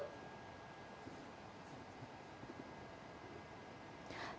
các đối tượng đã đánh bạc ăn thua bằng tiền dưới hình thức đá gà